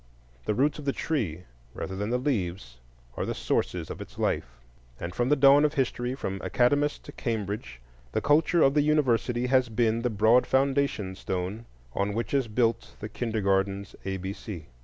The roots of the tree, rather than the leaves, are the sources of its life; and from the dawn of history, from Academus to Cambridge, the culture of the University has been the broad foundation stone on which is built the kindergarten's A B C.